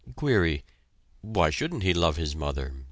(Query Why shouldn't he love his mother?